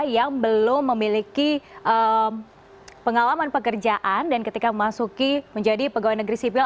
yang belum memiliki pengalaman pekerjaan dan ketika memasuki menjadi pegawai negeri sipil